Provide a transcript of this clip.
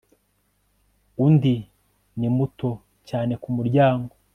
undi ni muto cyane kumuryango